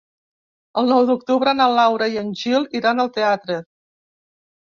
El nou d'octubre na Laura i en Gil iran al teatre.